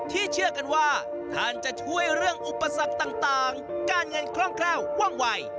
เชื่อกันว่าท่านจะช่วยเรื่องอุปสรรคต่างการเงินคล่องแคล่วว่องวัย